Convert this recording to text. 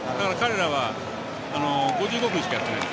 彼らは５５分しかやってないです